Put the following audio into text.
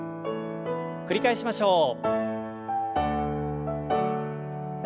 繰り返しましょう。